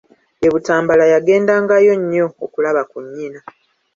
E Butambala yagendangayo nnyo okulaba ku nnyina.